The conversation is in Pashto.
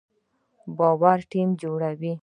باور ټیم جوړوي